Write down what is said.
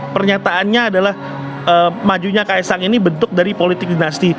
pernyataannya adalah majunya kaisang ini bentuk dari politik dinasti